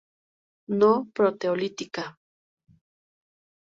No proteolítica.